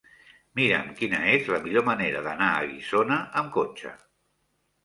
Mira'm quina és la millor manera d'anar a Guissona amb cotxe.